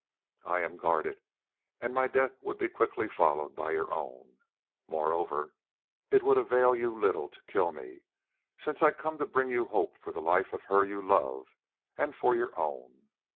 "I am guarded, and my death would be quickly followed by your own. Moreover, it would avail you little to kill me, since I come to bring you hope for the life of her you love and for your own.